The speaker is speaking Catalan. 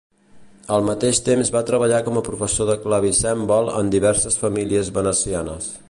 Al mateix temps va treballar com a professor de clavicèmbal en diverses famílies venecianes.